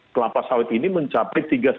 kelapa sawit ini mencapai tiga lima